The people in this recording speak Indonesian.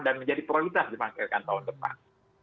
dan menjadi prioritas di pengakhirkan tahun depan